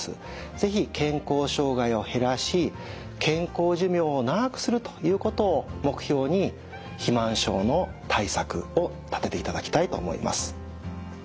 是非健康障害を減らし健康寿命を長くするということを目標に肥満症の対策を立てていただきたいと思います。